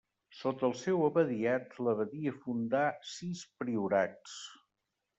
Sota el seu abadiat, l’abadia fundà sis priorats.